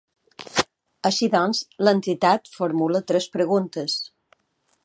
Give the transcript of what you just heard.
Així doncs, l’entitat formula tres preguntes.